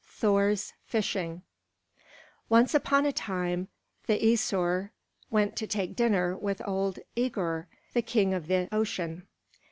THOR'S FISHING Once upon a time the Æsir went to take dinner with old Œgir, the king of the ocean.